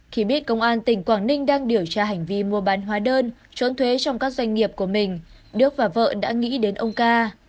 khi biết công an tỉnh quảng ninh đang điều tra hành vi mua bán hóa đơn trốn thuế trong các doanh nghiệp của mình đức và vợ đã nghĩ đến ông ca